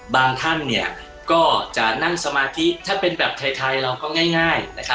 บางท่านก็จะนั่งสมาธิถ้าเป็นแบบไทยเราก็ง่าย